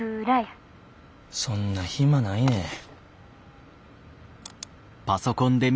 そんな暇ないねん。